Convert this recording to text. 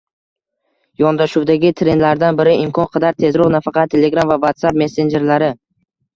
Yondashuvdagi trendlardan biri imkon qadar tezroq nafaqat Telegram va WhatsApp messenjerlari